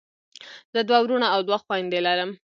زه دوه وروڼه او دوه خویندی لرم.